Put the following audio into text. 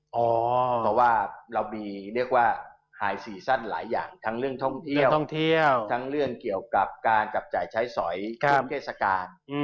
เพราะว่าเรามีหาย๔สั้นหลายอย่างทั้งเรื่องท่องเที่ยวทั้งเรื่องเกี่ยวกับการกับจ่ายใช้สอยเทศกาล